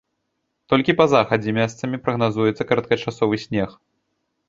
Толькі па захадзе месцамі прагназуецца кароткачасовы снег.